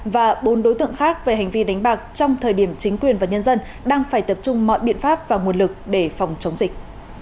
và bốn đối tượng khác về hành vi đánh bạc trong thời điểm chính quyền và nhân dân đang phải tập trung mọi biện pháp và nguồn lực để phòng chống dịch